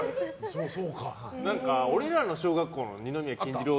俺らの小学校の二宮金次郎